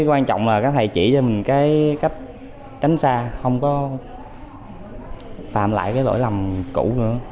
quan trọng là các thầy chỉ cho mình cái cách tránh xa không có phạm lại cái lỗi lầm cũ nữa